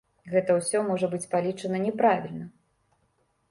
Гэта ўсё можа быць палічана няправільна.